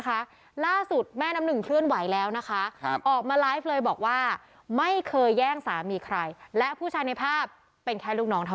การุนาฟังก่อนนะ